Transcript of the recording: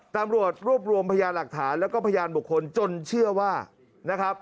ตำรวจรวบรวมพยาหลักฐานแล้วก็พยานบุคคลจนเชื่อว่านะครับ